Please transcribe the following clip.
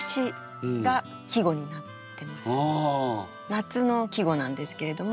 夏の季語なんですけれども。